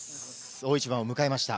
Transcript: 大一番を迎えました